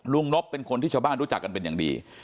นบเป็นคนที่ชาวบ้านรู้จักกันเป็นอย่างดี